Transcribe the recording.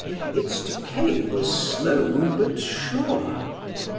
Its decay was slow, but sure.